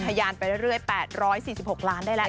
ยานไปเรื่อย๘๔๖ล้านได้แล้ว